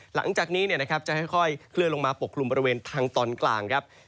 หลังจากนี้จะค่อยเคลื่อนลงมาปกกลุ่มบริเวณทางตอนกลางครับ